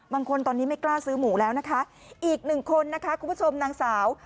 บางคนตอนนี้ไม่กล้าซื้อหมูแล้วนะคะอีกหนึ่งคนนะคะคุณผู้ชมนางสาว